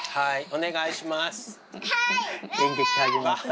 はい。